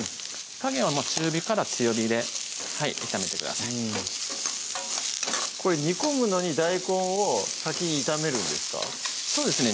火加減は中火から強火で炒めてくださいこれ煮込むのに大根を先に炒めるんですか？